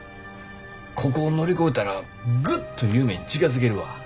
ここを乗り越えたらグッと夢に近づけるわ。